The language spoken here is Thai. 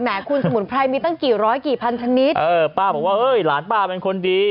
คุณสมุนไพรมีตั้งกี่ร้อยกี่พันชนิดเออป้าบอกว่าเฮ้ยหลานป้าเป็นคนดี